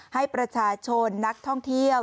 ให้ประชาชนนักท่องเที่ยว